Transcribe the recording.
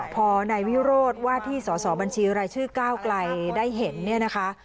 พอนายวิโรธว่าที่สอสอบัญชีรายชื่อก้าวไกลได้เห็นเนี่ยนะคะ